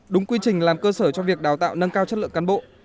đúng quy trình làm cơ sở cho việc đào tạo nâng cao chất lượng cán bộ